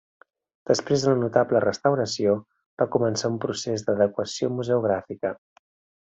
Després d'una notable restauració, va començar un procés d'adequació museogràfica.